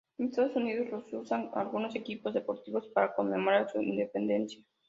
En Estados Unidos los usan algunos equipos deportivos para conmemorar su independencia.